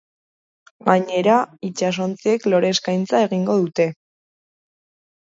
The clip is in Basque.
Gainera, itsasontziek lore eskaintza egingo dute.